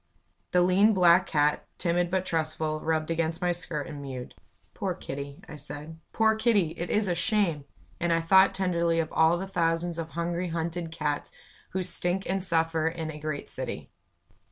The lean, black cat, timid but trustful, rubbed against my skirt and mewed. "Poor Kitty" I said; "poor Kitty! It is a shame!" And I thought tenderly of all the thousands of hungry, hunted cats who stink and suffer its a great city.